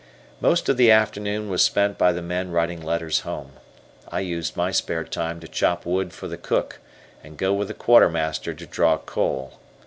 Most of the afternoon was spent by the men writing letters home. I used my spare time to chop wood for the cook, and go with the Quartermaster to draw coal.